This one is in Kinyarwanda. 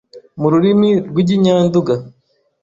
mu rurimi rw’iginyanduga.